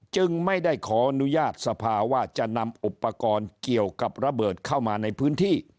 จึงไม่ได้ขออนุญาตสภาว่าจะนำอุปกรณ์เกี่ยวกับระเบิดเข้ามาในพื้นที่